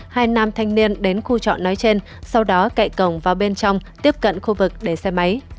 hai nam thanh niên đến khu trọ nói trên sau đó cậy cổng vào bên trong tiếp cận khu vực để xe máy